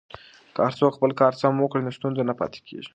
که هر څوک خپل کار سم وکړي نو ستونزه نه پاتې کیږي.